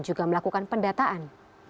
juga melakukan pendataan